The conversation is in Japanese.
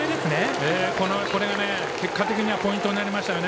これが結果的にはポイントになりましたね。